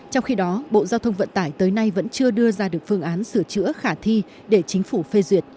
trong khi đó bộ giao thông vận tải tới nay vẫn chưa đưa ra được phương án sửa chữa khả thi để chính phủ phê duyệt